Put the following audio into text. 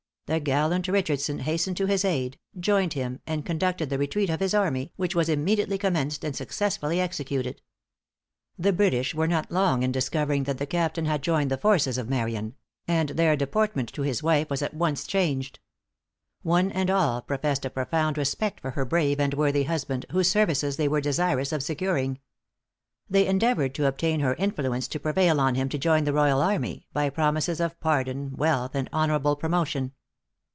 The gallant Richardson hastened to his aid; joined him, and conducted the retreat of his army, which was immediately commenced and successfully executed. The British were not long in discovering that the captain had joined the forces of Marion; and their deportment to his wife was at once changed. One and all professed a profound respect for her brave and worthy husband, whose services they were desirous of securing. They endeavored to obtain her influence to prevail on him to join the royal army, by promises of pardon, wealth, and honorable promotion.